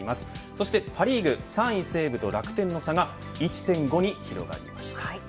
そしてパ・リーグ３位西武と楽天の差が１．５に広がっています。